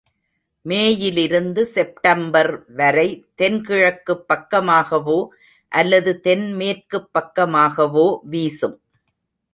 மேயிலிருந்து September வரை தென் கிழக்குப் பக்கமாகவோ அல்லது தென்மேற்குப் பக்கமாகவோ வீசும்.